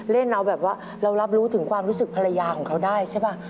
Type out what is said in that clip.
เล่นเอาแบบว่าเรารับรู้ถึงความรู้สึกภรรยาของเขาได้ใช่ป่ะ